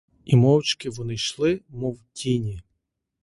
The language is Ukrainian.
І мовчки вони йшли, мов тіні.